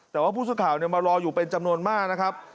แต่ว่าผู้สื่อข่าวมารออยู่เป็นจำนวนมากนะครับ